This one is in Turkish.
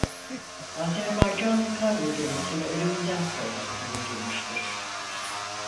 Azerbaycan Kargo gemisine ölümünden sonra adı verilmiştir.